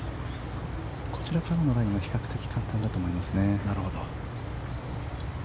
こちらからのラインは比較的簡単だと思いますね。